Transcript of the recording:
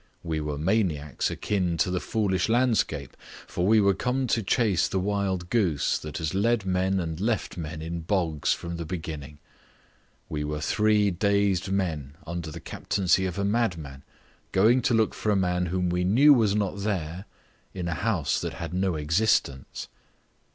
We were maniacs akin to the foolish landscape, for we were come to chase the wild goose which has led men and left men in bogs from the beginning. We were three dazed men under the captaincy of a madman going to look for a man whom we knew was not there in a house that had no existence.